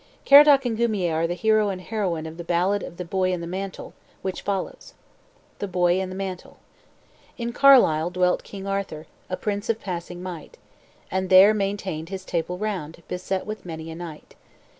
Caradoc and Guimier are the hero and heroine of the ballad Of the "Boy and the Mantle," which follows: "THE BOY AND THE MANTLE "In Carlisle dwelt King Arthur, A prince of passing might, And there maintained his Table Round, Beset with many a knight.